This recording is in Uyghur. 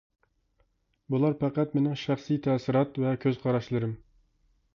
بۇلار پەقەت مىنىڭ شەخسىي تەسىرات ۋە كۆز قاراشلىرىم.